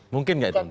mungkin gak itu